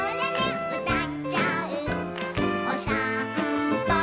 「おさんぽ